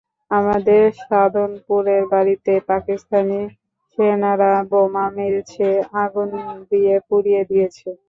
আমাদের সাধনপুরের বাড়িতে পাকিস্তানি সেনারা বোমা মেরেছে, আগুন দিয়ে পুড়িয়ে দিয়েছে।